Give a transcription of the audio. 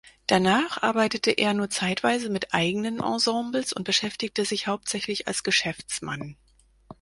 Danach arbeitete er nur zeitweise mit eigenen Ensembles und beschäftigte sich hauptsächlich als Geschäftsmann.